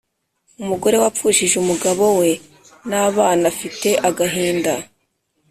umugore wapfushije umugabo we n'abana afite agahinda